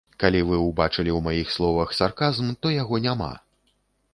Калі вы ўбачылі ў маіх словах сарказм, то яго няма.